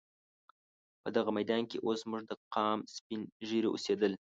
په دغه میدان کې اوس زموږ د قام سپین ږیري اوسېدل.